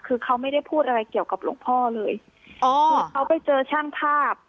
คือเขาไม่ได้พูดอะไรเกี่ยวกับหลวงพ่อเลยอ๋อเขาไปเจอช่างภาพ